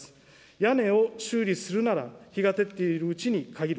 屋根を修理するなら、日が照っているうちに限る。